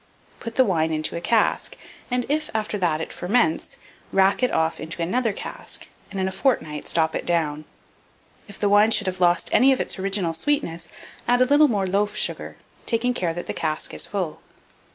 Put the wine into a cask, and if, after that, it ferments, rack it off into another cask, and in a fortnight stop it down. If the wine should have lost any of its original sweetness, add a little more loaf sugar, taking care that the cask is full.